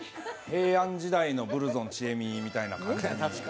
平安時代のブルゾンちえみみたいな。